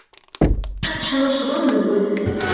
Ad teḥnuccḍem deg udfel.